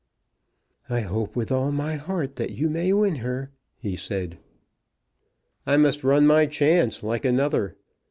"I hope with all my heart that you may win her," he said. "I must run my chance like another.